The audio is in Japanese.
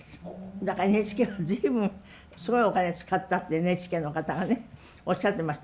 だからＮＨＫは随分すごいお金使ったってＮＨＫの方がねおっしゃってました。